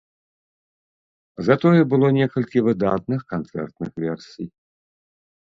Затое было некалькі выдатных канцэртных версій.